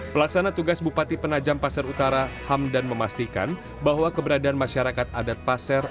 pelaksana tugas bupati penajam pasar utara hamdan memastikan bahwa keberadaan masyarakat adat pasar